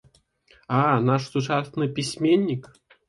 А наш сучасны пісьменнік!